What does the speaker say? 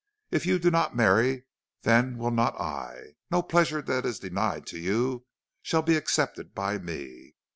If you do not marry, then will not I. No pleasure that is denied you shall be accepted by me.